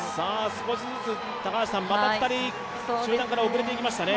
少しずつまた２人集団からおくれていきましたね。